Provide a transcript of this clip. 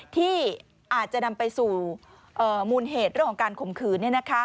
ที่อาจจะนำไปสู่มูลเหตุเรื่องของการข่มขืน